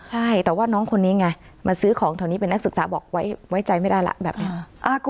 ใช่แต่ว่าน้องคนนี้ไงมาซื้อของแถวนี้เป็นนักศึกษาบอกไว้ใจไม่ได้แล้วแบบนี้